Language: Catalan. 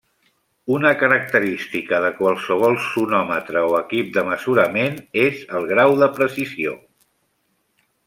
Una característica de qualsevol sonòmetre o equip de mesurament és el grau de precisió.